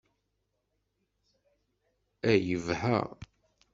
A yebha!